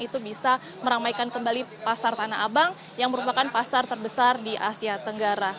itu bisa meramaikan kembali pasar tanah abang yang merupakan pasar terbesar di asia tenggara